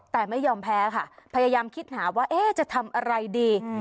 แต่ไม่ยอมแพ้ค่ะพยายามคิดหาว่าจะทำอะไรดี